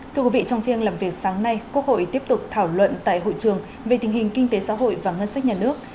thưa quý vị trong phiên làm việc sáng nay quốc hội tiếp tục thảo luận tại hội trường về tình hình kinh tế xã hội và ngân sách nhà nước